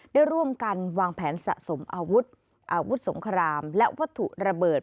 ได้ร่วมกันวางแผนสะสมอาวุธอาวุธสงครามและวัตถุระเบิด